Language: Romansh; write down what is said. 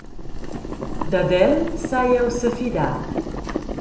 Dad el sai jeu sefidar.